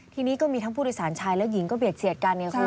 ทีนี้ก็มีทั้งผู้โดยสารชายและหญิงก็เบียดเสียดกันไงคุณ